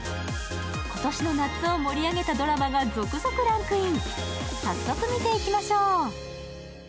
今年の夏を盛り上げたドラマが続々ランクイン。